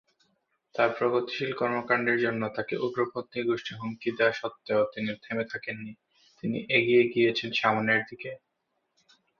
তার প্রগতিশীল কর্মকাণ্ডের জন্য তাকে উগ্রপন্থী গোষ্ঠী হুমকি দেওয়া সত্ত্বেও তিনি থেমে থাকেন নি, তিনি এগিয়ে গিয়েছেন সামনের দিকে।